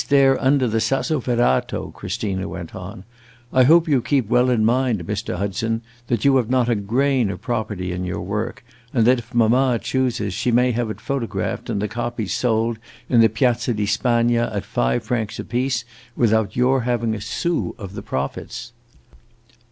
"Placed there under the Sassoferrato!" Christina went on. "I hope you keep well in mind, Mr. Hudson, that you have not a grain of property in your work, and that if mamma chooses, she may have it photographed and the copies sold in the Piazza di Spagna, at five francs apiece, without your having a sou of the profits."